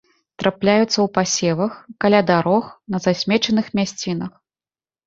Трапляюцца ў пасевах, каля дарог, на засмечаных мясцінах.